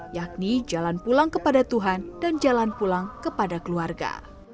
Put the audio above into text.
yakni jalan pulang kepada tuhan dan jalan pulang kepada keluarga